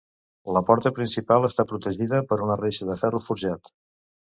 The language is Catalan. La porta principal està protegida per una reixa de ferro forjat.